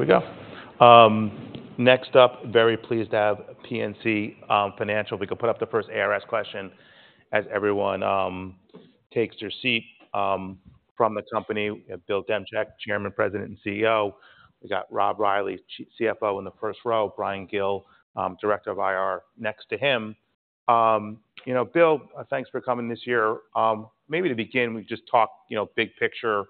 Here we go. Next up, very pleased to have PNC Financial. We could put up the first ARS question as everyone takes their seat. From the company, we have Bill Demchak, Chairman, President, and CEO. We got Rob Reilly, CFO, in the first row. Bryan Gill, Director of IR, next to him. You know, Bill, thanks for coming this year. Maybe to begin, we just talk, you know, big-picture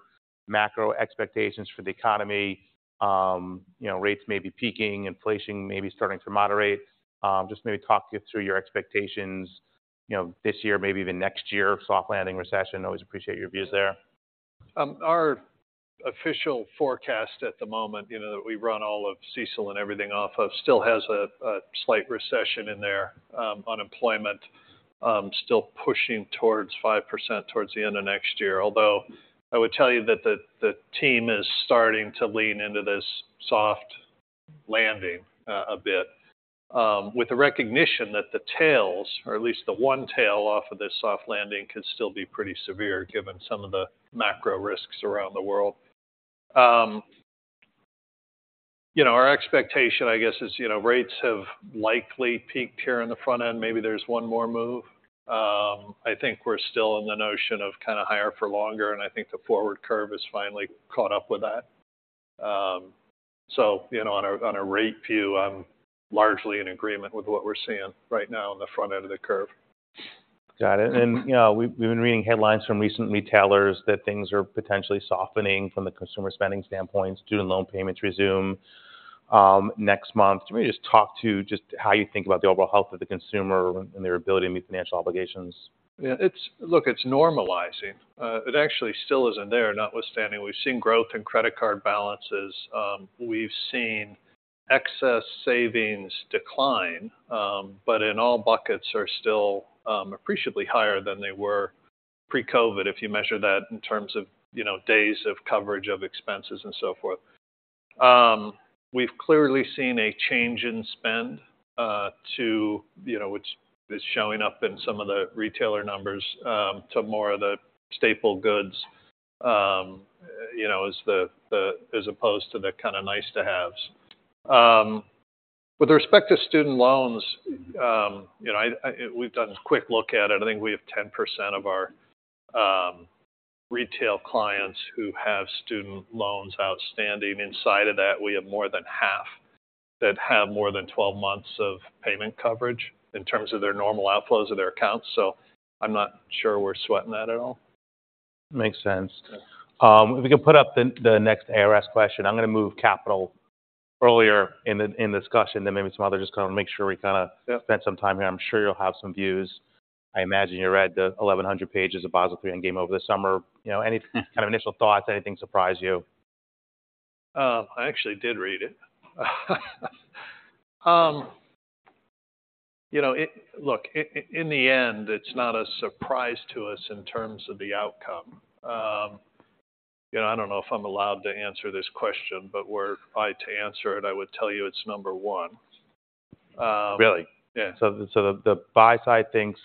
macro expectations for the economy. You know, rates may be peaking, inflation may be starting to moderate. Just maybe talk me through your expectations, you know, this year, maybe even next year, soft landing recession. I always appreciate your views there. Our official forecast at the moment, you know, that we run all of CECL and everything off of, still has a slight recession in there. Unemployment still pushing towards 5% towards the end of next year. Although, I would tell you that the team is starting to lean into this soft landing a bit, with the recognition that the tails, or at least the one tail off of this soft landing, could still be pretty severe, given some of the macro risks around the world. You know, our expectation, I guess, is, you know, rates have likely peaked here in the front end. Maybe there's one more move. I think we're still in the notion of kinda higher for longer, and I think the forward curve has finally caught up with that. You know, on a rate view, I'm largely in agreement with what we're seeing right now on the front end of the curve. Got it. And, you know, we've, we've been reading headlines from recent retailers that things are potentially softening from the consumer spending standpoint. Student loan payments resume next month. Can we just talk to just how you think about the overall health of the consumer and their ability to meet financial obligations? Yeah, look, it's normalizing. It actually still isn't there, notwithstanding, we've seen growth in credit card balances. We've seen excess savings decline, but in all buckets are still appreciably higher than they were pre-COVID, if you measure that in terms of, you know, days of coverage of expenses and so forth. We've clearly seen a change in spend to, you know, which is showing up in some of the retailer numbers to more of the staple goods, you know, as opposed to the kinda nice-to-haves. With respect to student loans, you know, we've done a quick look at it. I think we have 10% of our retail clients who have student loans outstanding. Inside of that, we have more than half that have more than 12 months of payment coverage in terms of their normal outflows of their accounts, so I'm not sure we're sweating that at all. Makes sense. Yeah. If we could put up the next ARS question, I'm gonna move capital earlier in the discussion, then maybe some other, just kinda make sure we kinda- Yeah... spend some time here. I'm sure you'll have some views. I imagine you read the 1,100 pages of Basel III Endgame over the summer. You know, any kind of initial thoughts, anything surprise you? I actually did read it. You know, it, look, in the end, it's not a surprise to us in terms of the outcome. You know, I don't know if I'm allowed to answer this question, but were I to answer it, I would tell you it's number one. Really? Yeah. So, the buy side thinks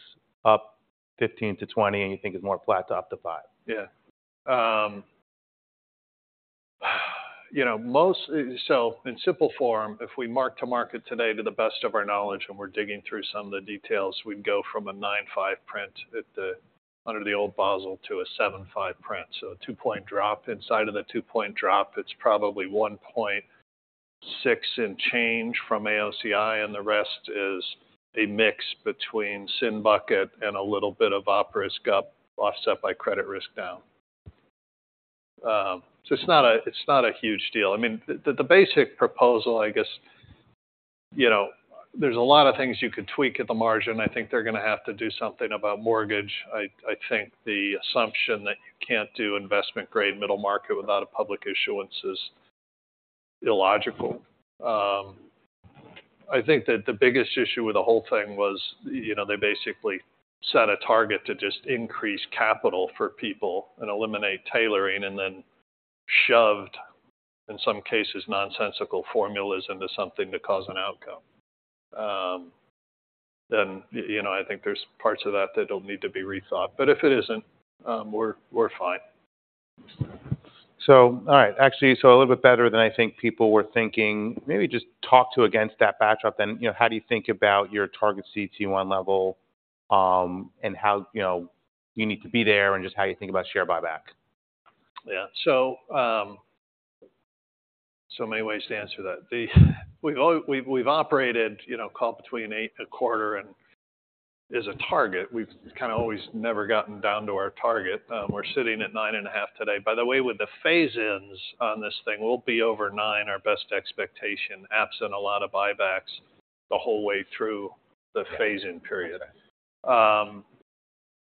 up 15-20, and you think it's more flat to up 5? Yeah. You know, so in simple form, if we mark to market today, to the best of our knowledge, and we're digging through some of the details, we'd go from a 9.5 print at the under the old Basel to a 7.5 print. So a two-point drop. Inside of the two-point drop, it's probably 1.6 and change from AOCI, and the rest is a mix between SIN Bucket and a little bit of Op Risk up, offset by credit risk down. So it's not a huge deal. I mean, the basic proposal, I guess. You know, there's a lot of things you could tweak at the margin. I think they're gonna have to do something about mortgage. I think the assumption that you can't do investment-grade middle market without a public issuance is illogical. I think that the biggest issue with the whole thing was, you know, they basically set a target to just increase capital for people and eliminate tailoring, and then shoved, in some cases, nonsensical formulas into something to cause an outcome. Then, you know, I think there's parts of that that don't need to be rethought. But if it isn't, we're fine. All right. Actually, so a little bit better than I think people were thinking. Maybe just talk to against that backdrop then, you know, how do you think about your target CET1 level, and how, you know, you need to be there, and just how you think about share buyback? Yeah. So, so many ways to answer that. We've operated, you know, call it between 8.25 and... As a target, we've kinda always never gotten down to our target. We're sitting at 9.5 today. By the way, with the phase-ins on this thing, we'll be over 9, our best expectation, absent a lot of buybacks the whole way through the phase-in period. Okay.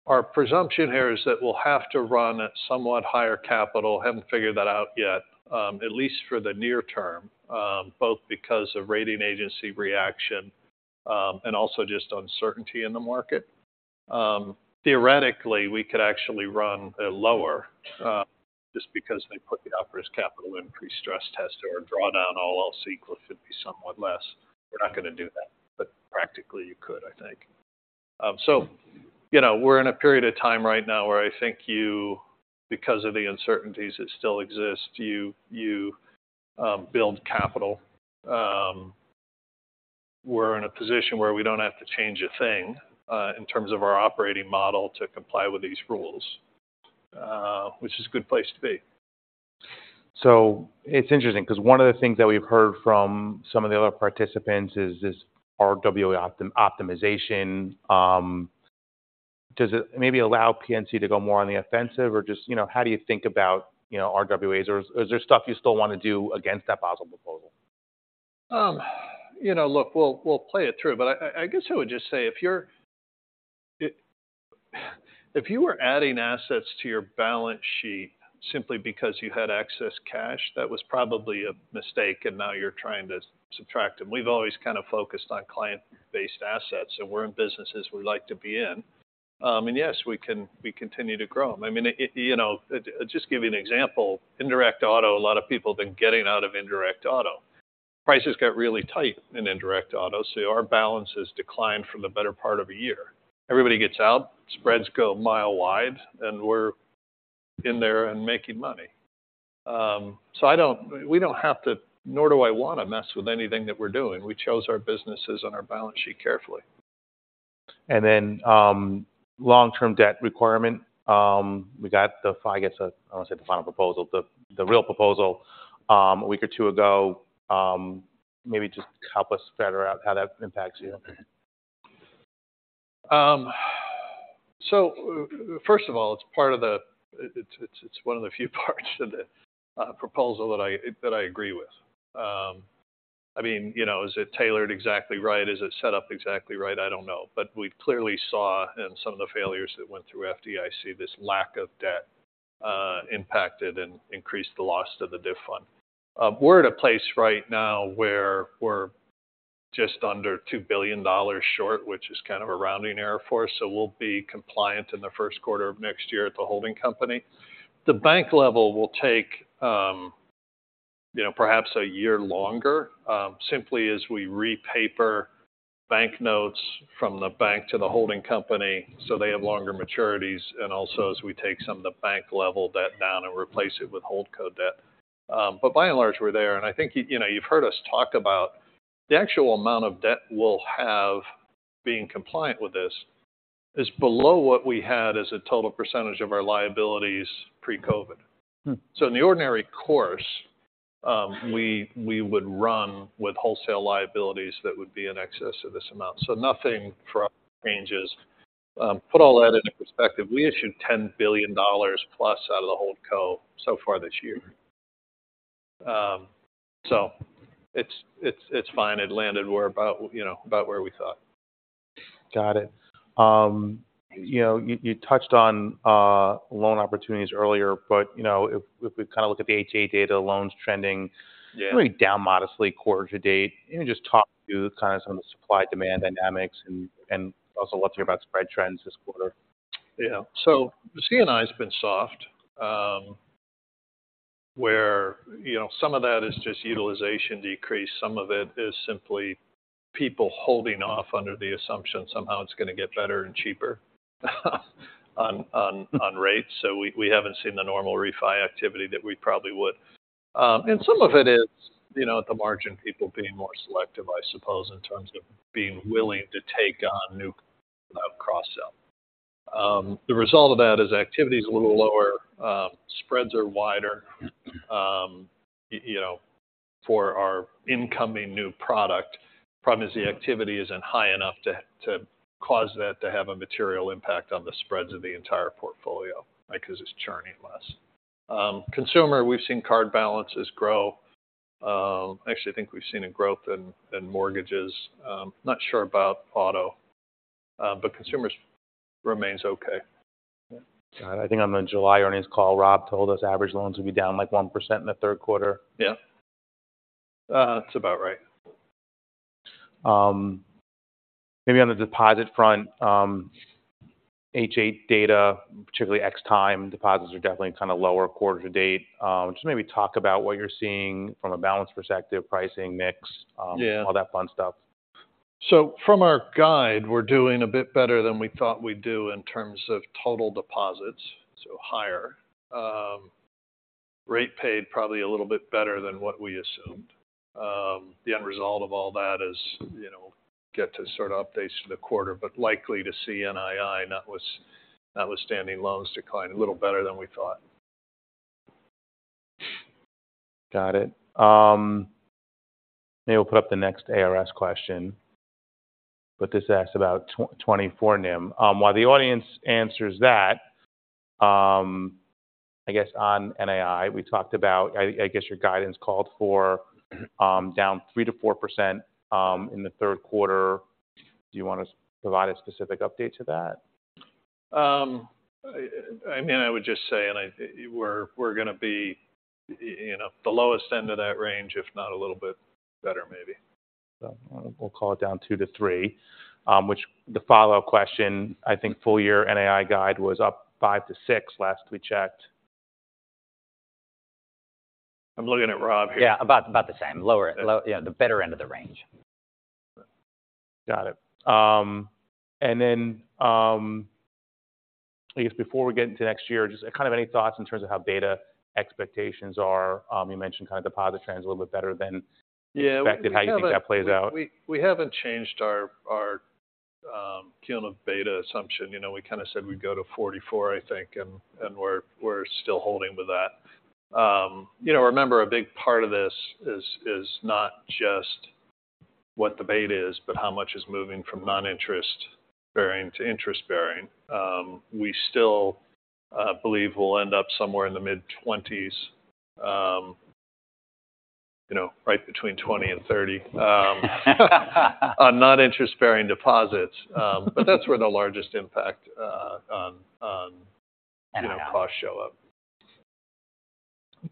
Our presumption here is that we'll have to run at somewhat higher capital, haven't figured that out yet, at least for the near term, both because of rating agency reaction, and also just uncertainty in the market. Theoretically, we could actually run it lower, just because they put the Op risk capital increase stress test or draw down ALL, CECL should be somewhat less. We're not gonna do that.... basically, you could, I think. So, you know, we're in a period of time right now where I think you, because of the uncertainties that still exist, you build capital. We're in a position where we don't have to change a thing, in terms of our operating model to comply with these rules, which is a good place to be. It's interesting 'cause one of the things that we've heard from some of the other participants is this RWA optimization. Does it maybe allow PNC to go more on the offensive or just, you know, how do you think about, you know, RWAs? Or is there stuff you still wanna do against that Basel proposal? You know, look, we'll play it through, but I guess I would just say, if you were adding assets to your balance sheet simply because you had excess cash, that was probably a mistake, and now you're trying to subtract them. We've always kind of focused on client-based assets, so we're in businesses we like to be in. And yes, we can continue to grow them. I mean, you know, just give you an example, indirect auto, a lot of people have been getting out of indirect auto. Prices got really tight in indirect auto, so our balances declined for the better part of a year. Everybody gets out, spreads go a mile wide, and we're in there and making money. So we don't have to, nor do I want to mess with anything that we're doing. We chose our businesses and our balance sheet carefully. And then, long-term debt requirement, we got the, I guess, I don't want to say the final proposal, the, the real proposal, a week or two ago. Maybe just help us better out how that impacts you? So first of all, it's one of the few parts of the proposal that I agree with. I mean, you know, is it tailored exactly right? Is it set up exactly right? I don't know. But we clearly saw in some of the failures that went through FDIC, this lack of debt impacted and increased the loss to the DIF fund. We're at a place right now where we're just under $2 billion short, which is kind of a rounding error for us, so we'll be compliant in the first quarter of next year at the holding company. The bank level will take, you know, perhaps a year longer, simply as we repaper bank notes from the bank to the holding company, so they have longer maturities, and also as we take some of the bank-level debt down and replace it with holdco debt. But by and large, we're there, and I think, you, you know, you've heard us talk about the actual amount of debt we'll have being compliant with this, is below what we had as a total percentage of our liabilities pre-COVID. Mm. So in the ordinary course, we would run with wholesale liabilities that would be in excess of this amount. So nothing for our changes. Put all that into perspective, we issued $10 billion plus out of the Holdco so far this year. So it's fine. It landed. We're about, you know, about where we thought. Got it. You know, you touched on loan opportunities earlier, but, you know, if we kind of look at the H.8 data loans trending- Yeah really down modestly, quarter to date, you know, just talk through kind of some of the supply-demand dynamics and, and also love to hear about spread trends this quarter. Yeah. So the C&I's been soft, where, you know, some of that is just utilization decrease, some of it is simply people holding off under the assumption somehow it's gonna get better and cheaper, on, on, on rates. So we, we haven't seen the normal refi activity that we probably would. And some of it is, you know, at the margin, people being more selective, I suppose, in terms of being willing to take on new, cross-sell. The result of that is activity is a little lower, spreads are wider, you know, for our incoming new product. Problem is, the activity isn't high enough to, to cause that to have a material impact on the spreads of the entire portfolio, because it's churning less. Consumer, we've seen card balances grow. Actually, I think we've seen a growth in, in mortgages. Not sure about auto, but consumers remains okay. Got it. I think on the July earnings call, Rob told us average loans would be down, like, 1% in the third quarter. Yeah. That's about right. Maybe on the deposit front, HA data, particularly time deposits, are definitely kind of lower quarter to date. Just maybe talk about what you're seeing from a balance perspective, pricing, mix- Yeah... all that fun stuff. So from our guide, we're doing a bit better than we thought we'd do in terms of total deposits, so higher. Rate paid probably a little bit better than what we assumed. The end result of all that is, you know, get to sort of updates for the quarter, but likely to see NII, notwithstanding loans decline a little better than we thought. Got it. Maybe we'll put up the next ARS question, but this asks about 2024 NIM. While the audience answers that, I guess on NII, we talked about. I guess your guidance called for down 3%-4% in the third quarter. Do you want to provide a specific update to that? I mean, I would just say we're gonna be, you know, the lowest end of that range, if not a little bit better, maybe. So we'll call it down two to three. Which the follow-up question, I think full year NII guide was up five to six, last we checked.... I'm looking at Rob here. Yeah, about the same. Yeah, the better end of the range. Got it. And then, I guess before we get into next year, just kind of any thoughts in terms of how beta expectations are? You mentioned kind of deposit trends a little bit better than- Yeah. Expected. How you think that plays out? We haven't changed our kind of beta assumption. You know, we kind of said we'd go to 44, I think, and we're still holding with that. You know, remember, a big part of this is not just what the beta is, but how much is moving from non-interest bearing to interest bearing. We still believe we'll end up somewhere in the mid-20s, you know, right between 20 and 30, on non-interest bearing deposits, but that's where the largest impact on costs show up.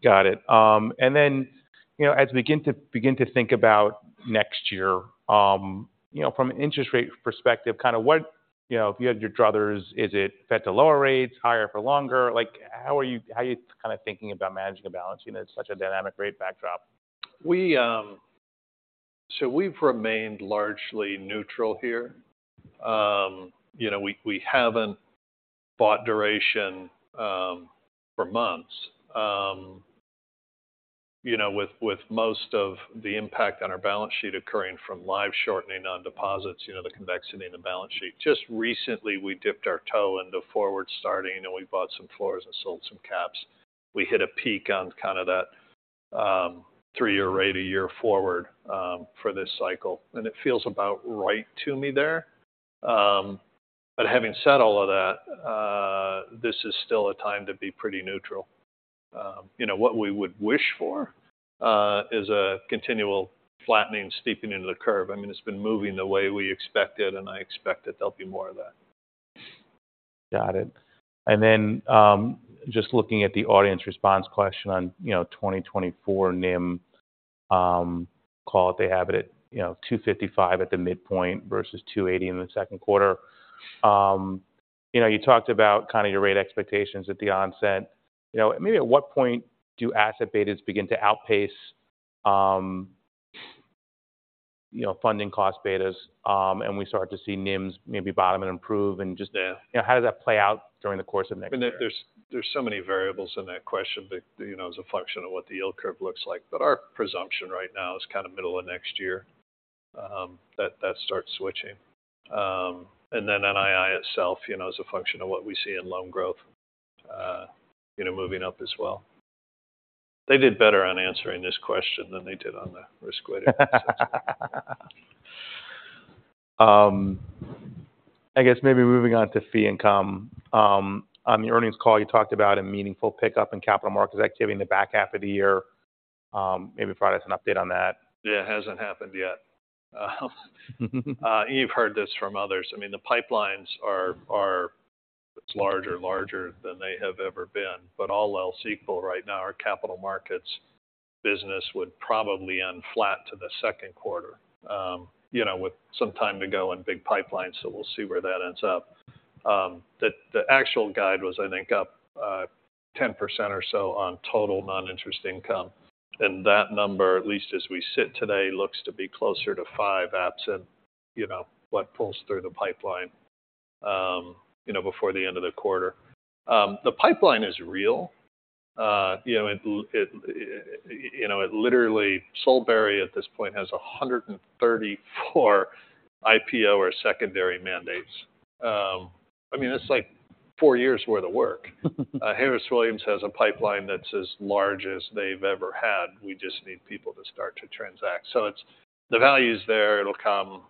Got it. And then, you know, as we begin to think about next year, you know, from an interest rate perspective, kind of what—you know, if you had your druthers, is it Fed to lower rates, higher for longer? Like, how are you kind of thinking about managing a balance, you know, in such a dynamic rate backdrop? So we've remained largely neutral here. You know, we, we haven't bought duration, for months. You know, with, with most of the impact on our balance sheet occurring from live shortening on deposits, you know, the convexity in the balance sheet. Just recently, we dipped our toe into forward starting, and we bought some floors and sold some caps. We hit a peak on kind of that, three-year rate a year forward, for this cycle, and it feels about right to me there. But having said all of that, this is still a time to be pretty neutral. You know, what we would wish for, is a continual flattening, steeping into the curve. I mean, it's been moving the way we expected, and I expect that there'll be more of that. Got it. And then, just looking at the audience response question on, you know, 2024 NIM, call it, they have it at, you know, 2.55 at the midpoint versus 2.80 in the second quarter. You know, you talked about kind of your rate expectations at the onset. You know, maybe at what point do asset betas begin to outpace, you know, funding cost betas, and we start to see NIMs maybe bottom and improve, and just, you know, how does that play out during the course of next year? I mean, there's so many variables in that question that, you know, as a function of what the yield curve looks like. But our presumption right now is kind of middle of next year, that starts switching. And then NII itself, you know, as a function of what we see in loan growth, you know, moving up as well. They did better on answering this question than they did on the risk-weighted asset. I guess maybe moving on to fee income. On the earnings call, you talked about a meaningful pickup in capital markets activity in the back half of the year. Maybe provide us an update on that. Yeah, it hasn't happened yet. You've heard this from others. I mean, the pipelines are larger than they have ever been, but all else equal, right now, our capital markets business would probably end flat to the second quarter, you know, with some time to go and big pipelines, so we'll see where that ends up. The actual guide was, I think, up 10% or so on total non-interest income, and that number, at least as we sit today, looks to be closer to 5% absent, you know, what pulls through the pipeline, you know, before the end of the quarter. The pipeline is real. You know, it literally, Solebury, at this point, has 134 IPO or secondary mandates. I mean, it's like four years' worth of work. Harris Williams has a pipeline that's as large as they've ever had. We just need people to start to transact. So it's the value is there, it'll come.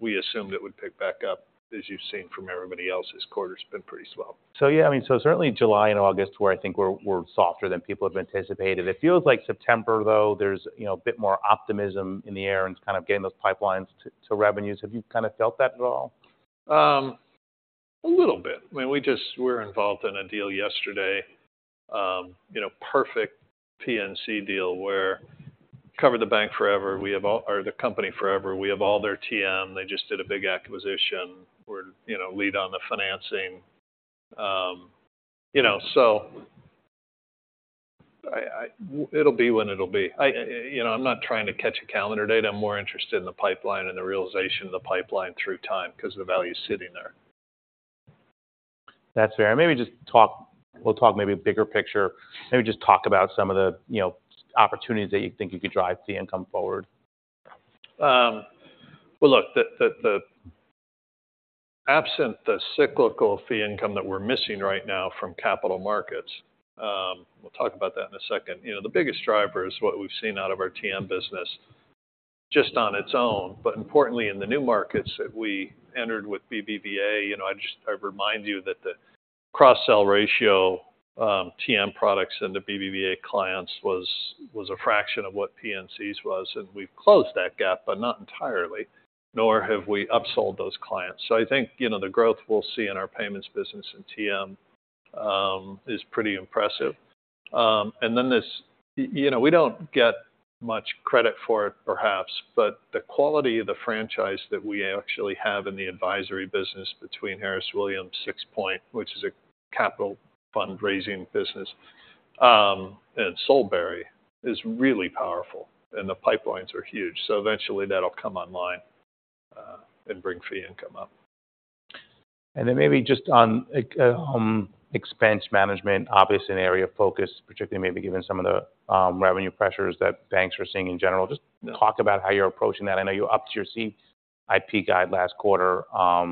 We assumed it would pick back up, as you've seen from everybody else's quarter, it's been pretty slow. So, yeah, I mean, so certainly July and August, where I think we're softer than people have anticipated. It feels like September, though, there's, you know, a bit more optimism in the air and kind of getting those pipelines to revenues. Have you kind of felt that at all? A little bit. I mean, we just were involved in a deal yesterday, you know, perfect PNC deal where covered the bank forever. We have all... Or the company forever. We have all their TM. They just did a big acquisition. We're, you know, lead on the financing. You know, so I, I—it'll be when it'll be. I, you know, I'm not trying to catch a calendar date. I'm more interested in the pipeline and the realization of the pipeline through time because the value is sitting there. That's fair. Maybe just talk, we'll talk maybe bigger picture. Maybe just talk about some of the, you know, opportunities that you think you could drive the income forward. Well, look, the absent the cyclical fee income that we're missing right now from capital markets, we'll talk about that in a second. You know, the biggest driver is what we've seen out of our TM business, just on its own, but importantly, in the new markets that we entered with BBVA. You know, I just remind you that the cross-sell ratio, TM products into BBVA clients was a fraction of what PNC's was, and we've closed that gap, but not entirely, nor have we upsold those clients. So I think, you know, the growth we'll see in our payments business in TM is pretty impressive. And then this, you know, we don't get-... much credit for it, perhaps, but the quality of the franchise that we actually have in the advisory business between Harris Williams Sixpoint, which is a capital fundraising business, and Solebury, is really powerful, and the pipelines are huge. So eventually that'll come online, and bring fee income up. And then maybe just on expense management, obviously an area of focus, particularly maybe given some of the revenue pressures that banks are seeing in general. Just- Yeah Talk about how you're approaching that. I know you upped your CIP guide last quarter, how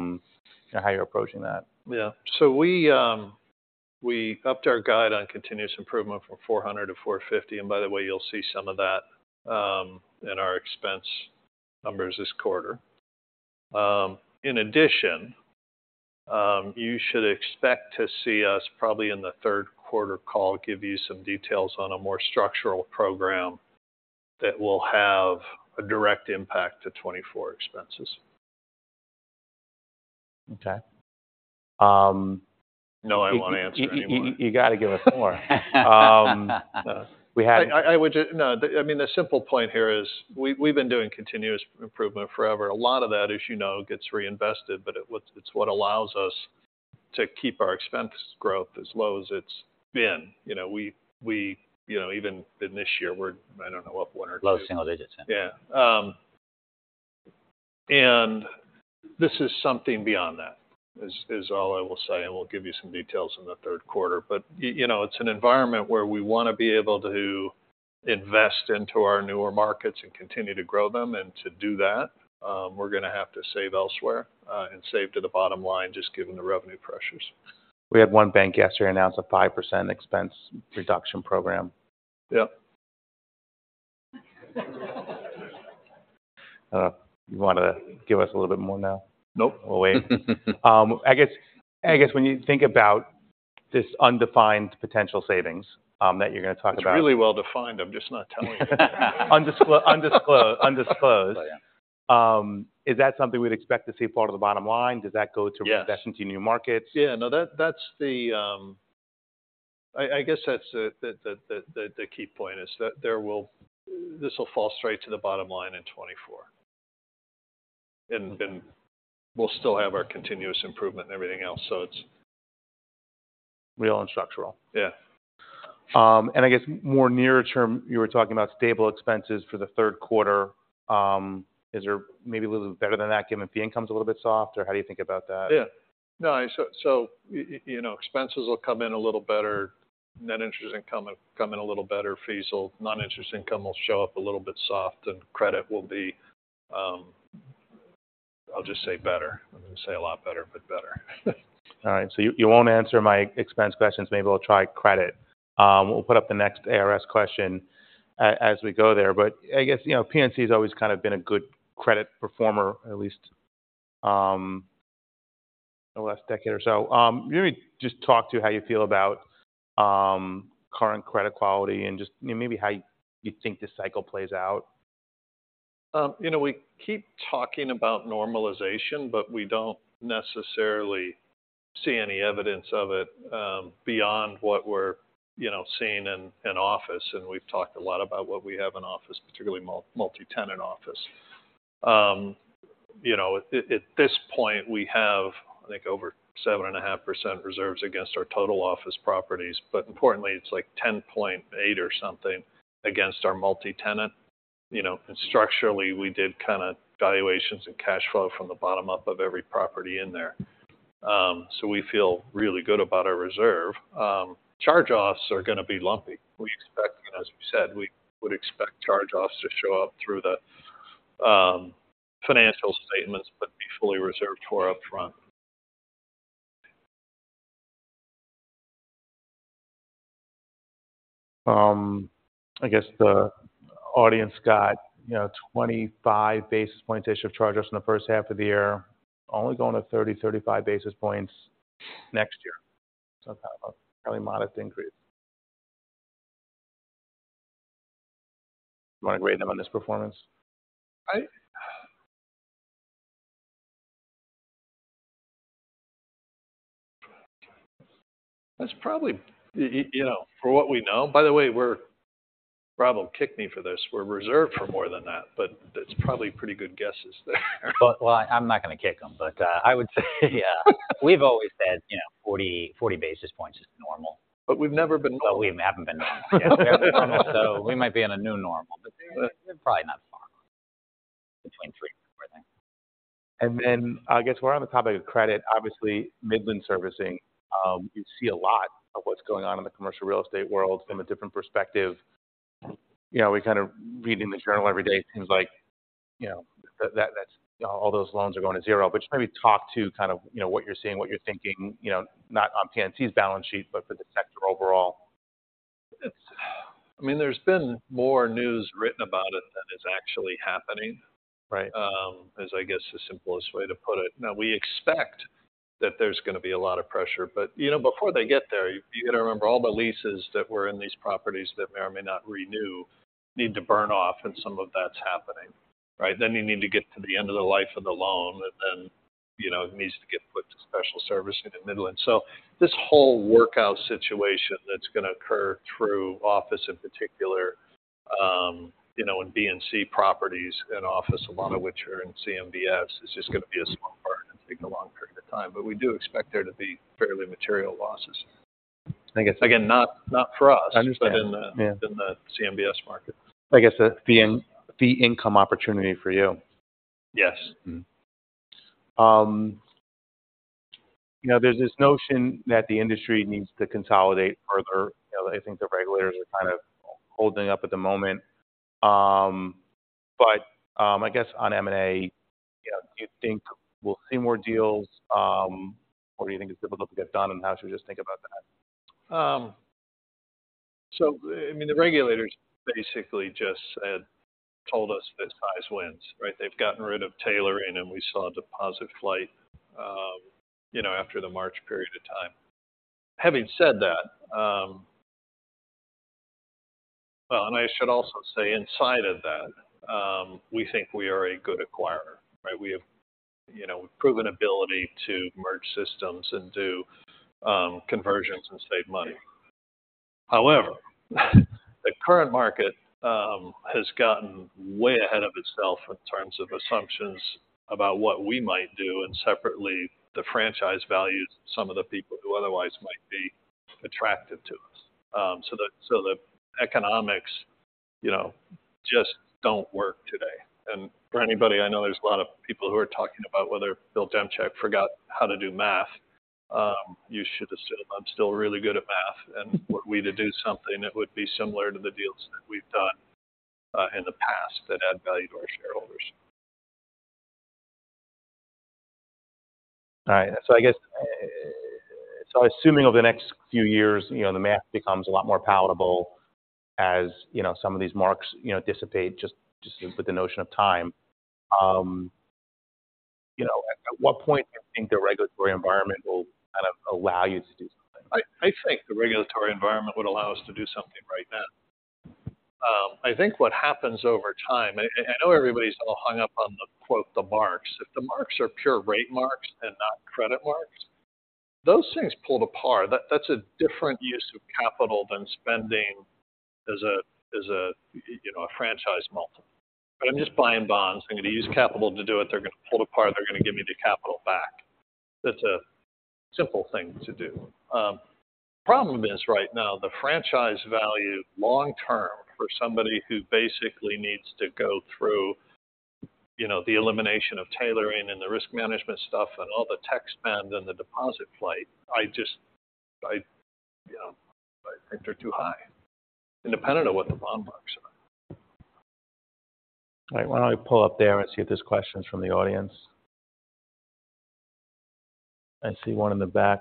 you're approaching that? Yeah. So we upped our guide on continuous improvement from 400 to 450, and by the way, you'll see some of that in our expense numbers this quarter. In addition, you should expect to see us probably in the third quarter call give you some details on a more structural program that will have a direct impact to 2024 expenses. Okay. Um- No, I won't answer anymore. You gotta give us more. We had- I would just. No, I mean, the simple point here is we've been doing continuous improvement forever. A lot of that, as you know, gets reinvested, but it's what allows us to keep our expense growth as low as it's been. You know, you know, even in this year, we're, I don't know, up one or two- Low single digits. Yeah. This is something beyond that, is all I will say, and we'll give you some details in the third quarter. You know, it's an environment where we want to be able to invest into our newer markets and continue to grow them. To do that, we're going to have to save elsewhere, and save to the bottom line, just given the revenue pressures. We had one bank yesterday announce a 5% expense reduction program. Yep. You want to give us a little bit more now? Nope. We'll wait. I guess when you think about this undefined potential savings that you're going to talk about- It's really well defined. I'm just not telling you. Undisclosed, undisclosed. Oh, yeah. Is that something we'd expect to see fall to the bottom line? Does that go to- Yes investing to new markets? Yeah. No, that's the key point, is that this will fall straight to the bottom line in 2024. And we'll still have our continuous improvement and everything else. So it's- Real and structural. Yeah. And I guess more near term, you were talking about stable expenses for the third quarter. Is there maybe a little bit better than that, given fee income's a little bit soft, or how do you think about that? Yeah. No, so you know, expenses will come in a little better. Net interest income will come in a little better. Non-interest income will show up a little bit soft, and credit will be, I'll just say better. I'm going to say a lot better, but better. All right. So you won't answer my expense questions. Maybe we'll try credit. We'll put up the next ARS question as we go there. But I guess, you know, PNC has always kind of been a good credit performer, at least the last decade or so. Maybe just talk to how you feel about current credit quality and just maybe how you think this cycle plays out. You know, we keep talking about normalization, but we don't necessarily see any evidence of it, beyond what we're, you know, seeing in office, and we've talked a lot about what we have in office, particularly multi-tenant office. You know, at this point, we have, I think, over 7.5% reserves against our total office properties, but importantly, it's like 10.8 or something against our multi-tenant. You know, and structurally, we did kind of valuations and cash flow from the bottom up of every property in there. So we feel really good about our reserve. Charge-offs are going to be lumpy. We expect, and as we said, we would expect charge-offs to show up through the financial statements, but be fully reserved for upfront. I guess the audience got, you know, 25 basis point issue of charge-offs in the first half of the year, only going to 30-35 basis points next year. So kind of a fairly modest increase. You want to grade them on this performance? That's probably, you know, for what we know... By the way, we're, Rob will kick me for this. We're reserved for more than that, but that's probably pretty good guesses there. Well, I'm not going to kick him, but I would say, yeah, we've always said, you know, 40, 40 basis points is normal. But we've never been normal. But we haven't been normal. So we might be in a new normal, but we're probably not far, between three and four, I think. And then, I guess we're on the topic of credit. Obviously, Midland Loan Services, you see a lot of what's going on in the commercial real estate world from a different perspective. You know, we're kind of reading the journal every day, it seems like, you know, that that's all those loans are going to zero. But just maybe talk to kind of, you know, what you're seeing, what you're thinking, you know, not on PNC's balance sheet, but for the sector overall. It's. I mean, there's been more news written about it than is actually happening- Right is I guess the simplest way to put it. Now, we expect that there's going to be a lot of pressure, but, you know, before they get there, you got to remember all the leases that were in these properties that may or may not renew, need to burn off, and some of that's happening.... Right, then you need to get to the end of the life of the loan, and then, you know, it needs to get put to special servicing in Midland. So this whole workout situation that's going to occur through office in particular, you know, in B and C properties and office, a lot of which are in CMBS, is just going to be a slow burn and take a long period of time. But we do expect there to be fairly material losses. I guess- Again, not for us- I understand. but in the CMBS market. I guess, the income opportunity for you. Yes. Mm-hmm. You know, there's this notion that the industry needs to consolidate further. You know, I think the regulators are kind of holding up at the moment. But I guess on M&A, you know, do you think we'll see more deals? Or do you think it's difficult to get done, and how should we just think about that? So, I mean, the regulators basically just said, told us this size wins, right? They've gotten rid of tailoring, and we saw a deposit flight, you know, after the March period of time. Having said that... Well, and I should also say inside of that, we think we are a good acquirer, right? We have, you know, proven ability to merge systems and do conversions and save money. However, the current market has gotten way ahead of itself in terms of assumptions about what we might do, and separately, the franchise values some of the people who otherwise might be attractive to us. So the economics, you know, just don't work today. And for anybody, I know there's a lot of people who are talking about whether Bill Demchak forgot how to do math. You should assume I'm still really good at math, and were we to do something, it would be similar to the deals that we've done in the past that add value to our shareholders. All right. So I guess assuming over the next few years, you know, the math becomes a lot more palatable, as you know, some of these marks, you know, dissipate just with the notion of time. You know, at what point do you think the regulatory environment will kind of allow you to do something? I think the regulatory environment would allow us to do something right now. I think what happens over time, and I know everybody's a little hung up on the, quote, "the marks." If the marks are pure rate marks and not credit marks, those things pull apart. That's a different use of capital than spending as a, as a, you know, a franchise multiple. But I'm just buying bonds. I'm going to use capital to do it. They're going to pull it apart. They're going to give me the capital back. That's a simple thing to do. Problem is, right now, the franchise value long term for somebody who basically needs to go through, you know, the elimination of tailoring and the risk management stuff and all the tech spend and the deposit flight, I just—I, you know, I think they're too high, independent of what the bond marks are. All right, why don't I pull up there and see if there's questions from the audience? I see one in the back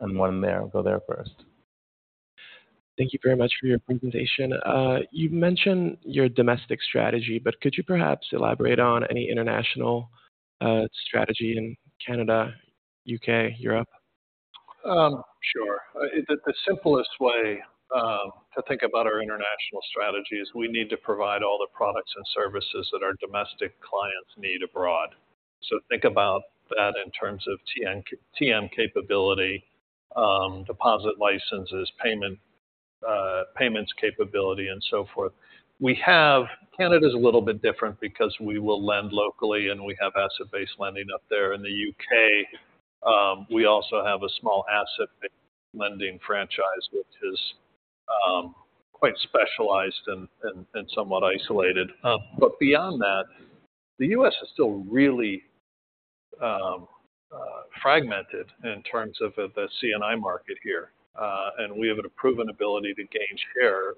and one there. I'll go there first. Thank you very much for your presentation. You mentioned your domestic strategy, but could you perhaps elaborate on any international strategy in Canada, U.K., Europe? Sure. The simplest way to think about our international strategy is we need to provide all the products and services that our domestic clients need abroad. So think about that in terms of TM capability, deposit licenses, payments capability, and so forth. Canada is a little bit different because we will lend locally, and we have asset-based lending up there. In the U.K., we also have a small asset-based lending franchise, which is quite specialized and somewhat isolated. But beyond that, the U.S. is still really fragmented in terms of the C&I market here, and we have a proven ability to gain share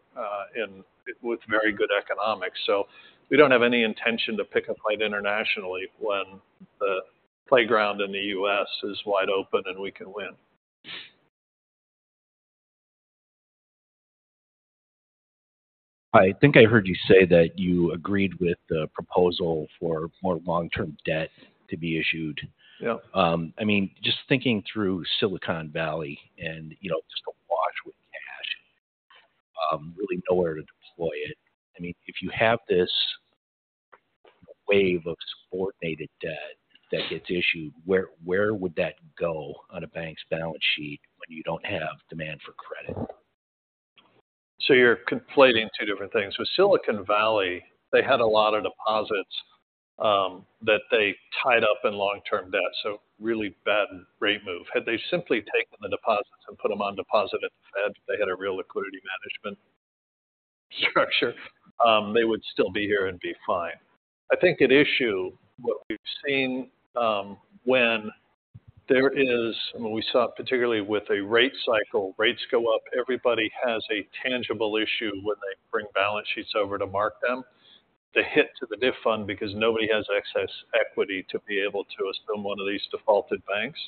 with very good economics. We don't have any intention to pick a fight internationally when the playground in the U.S. is wide open and we can win. I think I heard you say that you agreed with the proposal for more long-term debt to be issued. Yeah. I mean, just thinking through Silicon Valley and, you know, just awash with cash, really nowhere to deploy it. I mean, if you have this wave of subordinated debt that gets issued, where, where would that go on a bank's balance sheet when you don't have demand for credit? So you're conflating two different things. With Silicon Valley, they had a lot of deposits that they tied up in long-term debt, so really bad rate move. Had they simply taken the deposits and put them on deposit at the Fed, they had a real liquidity management structure, they would still be here and be fine. I think at issue, what we've seen, when there is, and we saw it particularly with a rate cycle, rates go up, everybody has a tangible issue when they bring balance sheets over to mark them. The hit to the DIF fund, because nobody has excess equity to be able to assume one of these defaulted banks,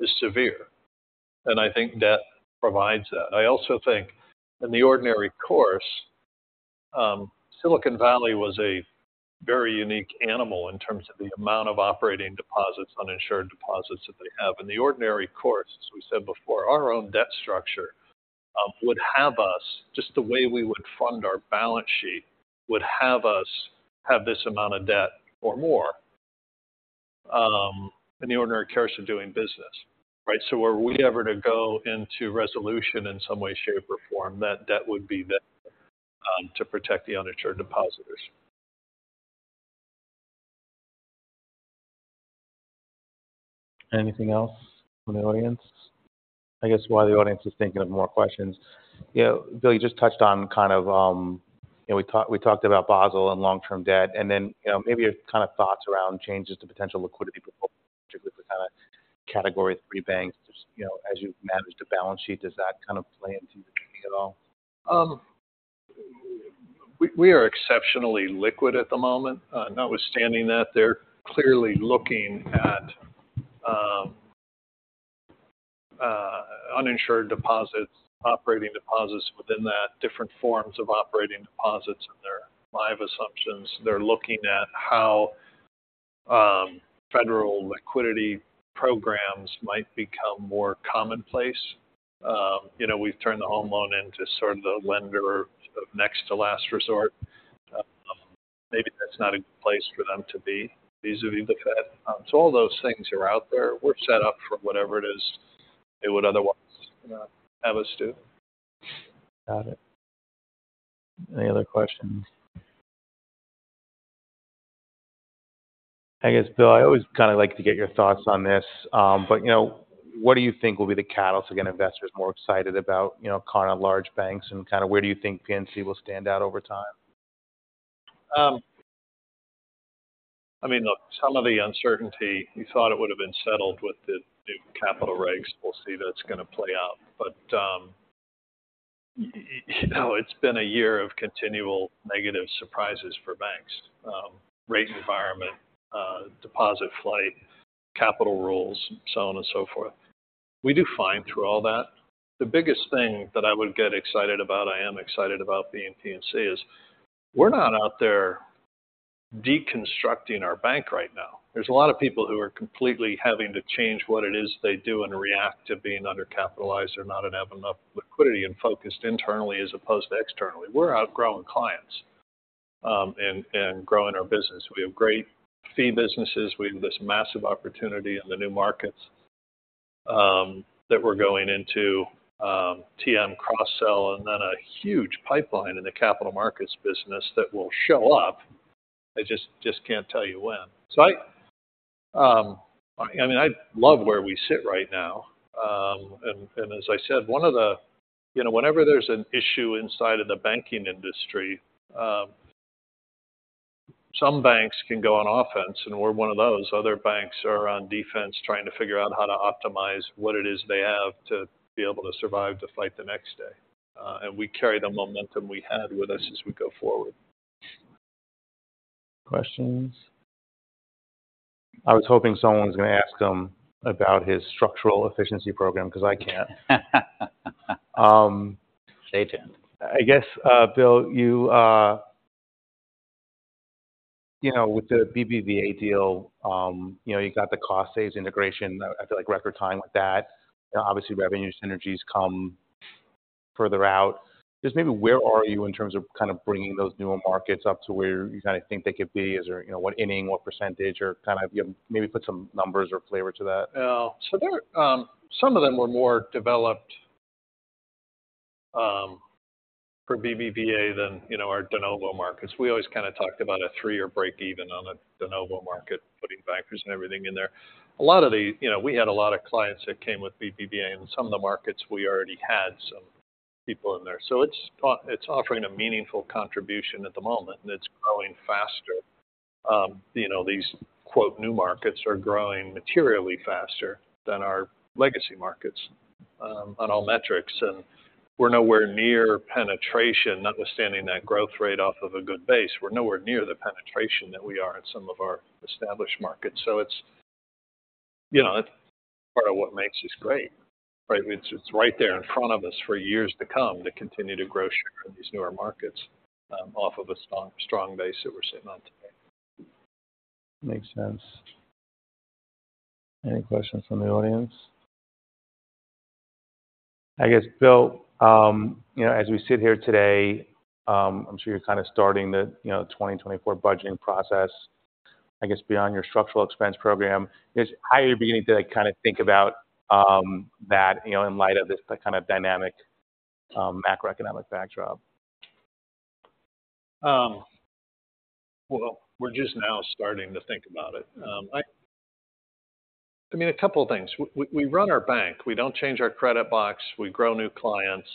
is severe, and I think debt provides that. I also think in the ordinary course, Silicon Valley was a very unique animal in terms of the amount of operating deposits, uninsured deposits that they have. In the ordinary course, as we said before, our own debt structure would have us, just the way we would fund our balance sheet, would have us have this amount of debt or more, in the ordinary course of doing business, right? So were we ever to go into resolution in some way, shape, or form, that that would be there to protect the uninsured depositors. Anything else from the audience? I guess while the audience is thinking of more questions, you know, Bill, you just touched on kind of, you know, we talked, we talked about Basel and long-term debt, and then, you know, maybe your kind of thoughts around changes to potential liquidity proposal, particularly the kind of Category Three Banks, just, you know, as you manage the balance sheet, does that kind of play into your thinking at all? We are exceptionally liquid at the moment. Notwithstanding that, they're clearly looking at uninsured deposits, operating deposits within that, different forms of operating deposits and their live assumptions. They're looking at how federal liquidity programs might become more commonplace. You know, we've turned the home loan into sort of the lender of next to last resort. Maybe that's not a good place for them to be, vis-à-vis the Fed. So all those things are out there. We're set up for whatever it is they would otherwise have us do. Got it. Any other questions? I guess, Bill, I always kinda like to get your thoughts on this. But, you know, what do you think will be the catalyst to get investors more excited about, you know, kind of large banks and kind of where do you think PNC will stand out over time? I mean, look, some of the uncertainty, you thought it would have been settled with the new capital regs. We'll see that it's going to play out. But, you know, it's been a year of continual negative surprises for banks. Rate environment, deposit flight, capital rules, so on and so forth. We do fine through all that. The biggest thing that I would get excited about, I am excited about being PNC, is we're not out there deconstructing our bank right now. There's a lot of people who are completely having to change what it is they do and react to being undercapitalized or not have enough liquidity and focused internally as opposed to externally. We're outgrowing clients, and growing our business. We have great fee businesses. We have this massive opportunity in the new markets that we're going into, TM cross-sell, and then a huge pipeline in the capital markets business that will show up. I just, just can't tell you when. So I, I mean, I love where we sit right now. And, and as I said, one of the, you know, whenever there's an issue inside of the banking industry, some banks can go on offense, and we're one of those. Other banks are on defense, trying to figure out how to optimize what it is they have to be able to survive to fight the next day. And we carry the momentum we had with us as we go forward. Questions? I was hoping someone was going to ask him about his structural efficiency program, because I can't. Stay tuned. I guess, Bill, you, you know, with the BBVA deal, you know, you got the cost saves integration, I feel like record time with that. Obviously, revenue synergies come further out. Just maybe where are you in terms of kind of bringing those newer markets up to where you kind of think they could be? Is there, you know, what inning, what percentage, or kind of, you know, maybe put some numbers or flavor to that? Well, so there, some of them were more developed for BBVA than, you know, our de novo markets. We always kind of talked about a three-year break even on a de novo market, putting bankers and everything in there. A lot of the, you know, we had a lot of clients that came with BBVA, and some of the markets we already had some people in there. So it's offering a meaningful contribution at the moment, and it's growing faster. You know, these "new markets" are growing materially faster than our legacy markets, on all metrics, and we're nowhere near penetration, notwithstanding that growth rate off of a good base, we're nowhere near the penetration that we are in some of our established markets. So it's, you know, it's part of what makes us great, right? It's right there in front of us for years to come to continue to grow share in these newer markets, off of a strong, strong base that we're sitting on today. Makes sense. Any questions from the audience? I guess, Bill, you know, as we sit here today, I'm sure you're kind of starting the, you know, 2024 budgeting process. I guess beyond your structural expense program, just how are you beginning to like, kind of think about, that, you know, in light of this kind of dynamic, macroeconomic backdrop? Well, we're just now starting to think about it. I mean, a couple of things. We run our bank. We don't change our credit box. We grow new clients.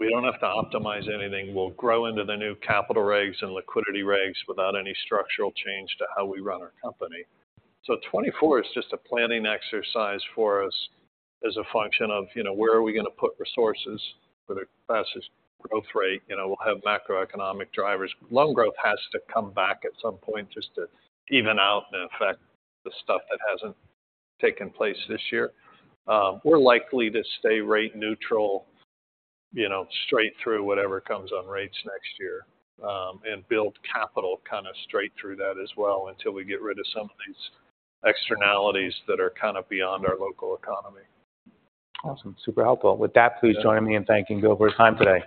We don't have to optimize anything. We'll grow into the new capital regs and liquidity regs without any structural change to how we run our company. So 2024 is just a planning exercise for us as a function of, you know, where are we going to put resources for the fastest growth rate. You know, we'll have macroeconomic drivers. Loan growth has to come back at some point just to even out and affect the stuff that hasn't taken place this year. We're likely to stay rate neutral, you know, straight through whatever comes on rates next year, and build capital kind of straight through that as well, until we get rid of some of these externalities that are kind of beyond our local economy. Awesome. Super helpful. With that, please join me in thanking Bill for his time today.